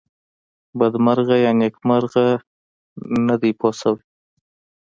بدمرغه یا نېکمرغه نه دی پوه شوې!.